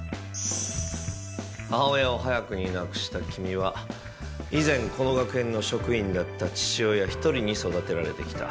母親を早くに亡くした君は以前この学園の職員だった父親１人に育てられてきた。